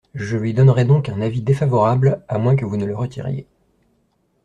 Je lui donnerai donc un avis défavorable, à moins que vous ne le retiriez.